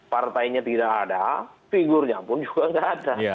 partainya tidak ada figurnya pun juga tidak ada